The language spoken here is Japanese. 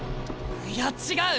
いや違う！